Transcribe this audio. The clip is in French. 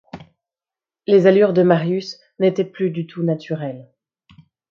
Les allures de Marius n’étaient plus du tout naturelles.